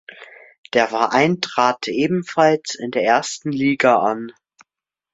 Der Verein trat ebenfalls in der ersten Liga an.